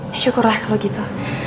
ya syukurlah kalau gitu